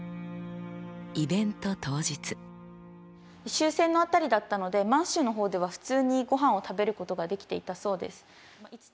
終戦の辺りだったので満州の方では普通にごはんを食べることができていたそうです。